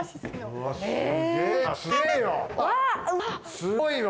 すごいな！